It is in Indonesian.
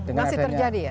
masih terjadi ya